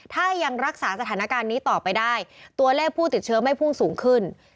ถ้ายังรักษาสถานการณ์นี้ต่อไปได้ตัวเลขผู้ติดเชื้อไม่พุ่งสูงขึ้น